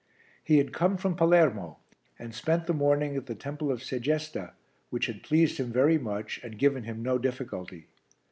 He had come from Palermo and spent the morning at the Temple of Segesta which had pleased him very much and given him no difficulty.